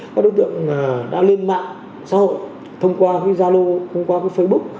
các đối tượng đã lên mạng xã hội thông qua gia lô thông qua facebook